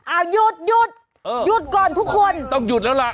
เอาหยุดหยุดหยุดก่อนทุกคนต้องหยุดแล้วล่ะ